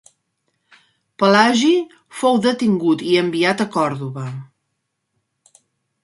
Pelagi fou detingut i enviat a Còrdova.